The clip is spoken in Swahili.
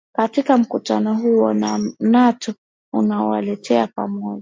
katika mkutano huu wa nato unaowaleta pamoja